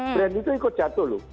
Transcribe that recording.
brand itu ikut jatuh loh